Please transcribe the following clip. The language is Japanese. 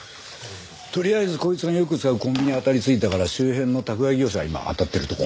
とりあえずこいつがよく使うコンビニ当たりついたから周辺の宅配業者を今あたってるとこ。